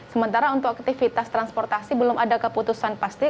sementara untuk aktivitas transportasi belum ada keputusan pasti